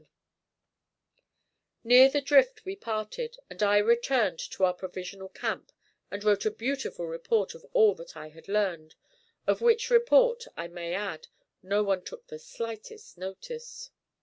Near the drift we parted, and I returned to our provisional camp and wrote a beautiful report of all that I had learned, of which report, I may add, no one took the slightest notice.